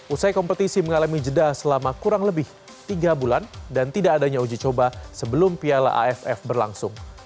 usai kompetisi mengalami jeda selama kurang lebih tiga bulan dan tidak adanya uji coba sebelum piala aff berlangsung